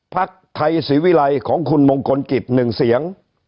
พรรคไทยศิวิลัยของคุณมงกลกิจ๑เสียง